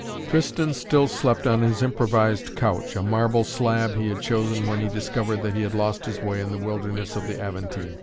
Tristan still slept on his improvised couch, a marble slab he had chosen when he discovered that he had lost his way in the wilderness of the Aventine.